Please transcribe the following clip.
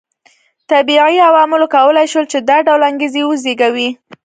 طبیعي عواملو کولای شول چې دا ډول انګېزې وزېږوي